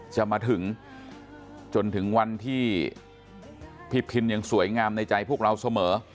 จะมาถึงจนถึงวันที่พี่พินยังสวยงามในใจพวกเราเสมอ